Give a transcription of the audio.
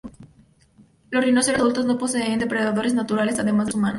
Los rinocerontes adultos no poseen depredadores naturales, además de los humanos.